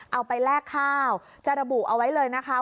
แลกข้าวจะระบุเอาไว้เลยนะคะ